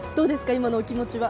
今のお気持ちは。